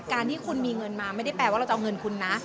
ที่คุณมีเงินมาไม่ได้แปลว่าเราจะเอาเงินคุณนะ